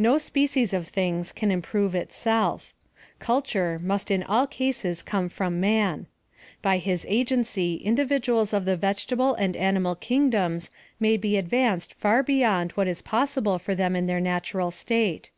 No species of things can improve itself. Cul ture must in all cases come from man. By his agency individuals of the vegetable and animal kingdoms may be advanced far beyond what is possible for them in their natural state.